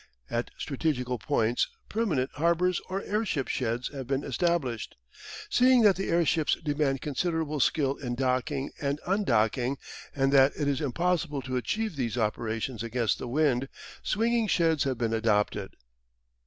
At strategical points permanent harbours or airship sheds have been established. Seeing that the airships demand considerable skill in docking and undocking, and that it is impossible to achieve these operations against the wind, swinging sheds have been adopted.